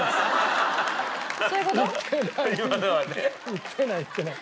言ってない言ってない。